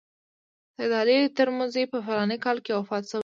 سید علي ترمذي په فلاني کال کې وفات شوی دی.